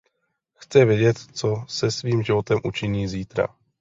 Chce vědět, co se svým životem učiní zítra.